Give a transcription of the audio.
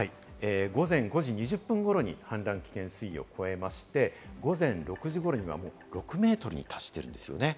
午前５時２０分頃に氾濫危険水位を超えまして、午前６時頃にはもう６ｍに達しているんですよね。